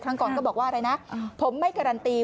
ครั้งก่อนก็บอกว่านะผมไม่การันตี